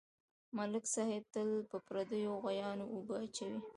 ملک صاحب تل په پردیو غویانواوبه اچوي.